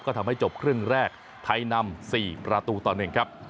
ก็ทำให้จบครึ่งแรกไทยนำ๔ประตูต่อ๑ครับ